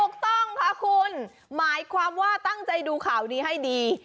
ถูกต้องค่ะคุณหมายความว่าตั้งใจดูข่าวนี้ให้ดี